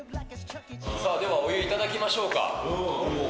さあでは、お湯いただきましょうか。